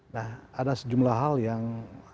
nah ada sejumlah hal yang